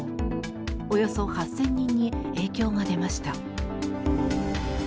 およそ８０００人に影響が出ました。